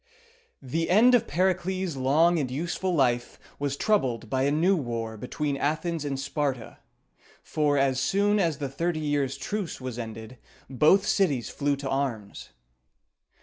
The end of Pericles' long and useful life was troubled by a new war between Athens and Sparta; for, as soon as the thirty years' truce was ended, both cities flew to arms.